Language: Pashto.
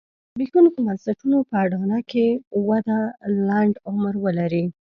د زبېښونکو بنسټونو په اډانه کې وده لنډ عمر ولري.